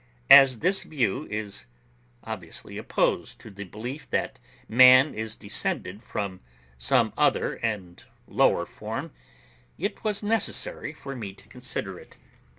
As this view is obviously opposed to the belief that man is descended from some other and lower form, it was necessary for me to consider it.